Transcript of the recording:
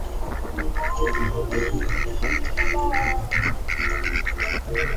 mwenye umaarufu mkubwa lakini aliendelea kuishi katika nyumba yake iliyotengenezwa kwa udongo Mbali na